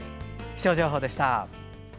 気象情報でした。